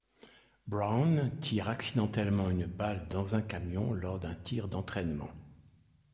Brown tire accidentellement une balle dans un camion lors d'un tir d'entraînement.